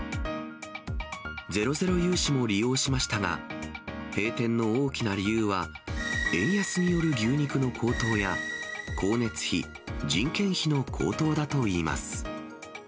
ゼロゼロ融資も利用しましたが、閉店の大きな理由は、円安による牛肉の高騰や、光熱費、人件費の高騰だといいます。